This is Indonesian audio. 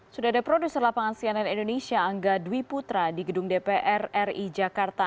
sudah ada produser lapangan cnn indonesia angga dwi putra di gedung dpr ri jakarta